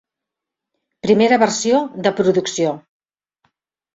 Primera versió de producció.